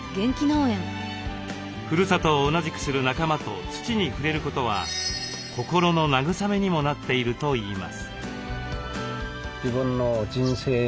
ふるさとを同じくする仲間と土に触れることは心の慰めにもなっているといいます。